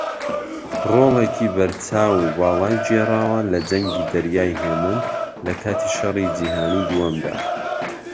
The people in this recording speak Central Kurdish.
ڕۆڵێکی بەرچاو و باڵای گێڕاوە لە جەنگی دەریای ھێمن لەکاتی شەڕی جیهانی دووەمدا